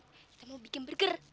kita mau bikin burger